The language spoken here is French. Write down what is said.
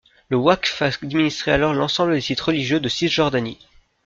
Le Waqf administrait alors l'ensemble des sites religieux de Cisjordanie.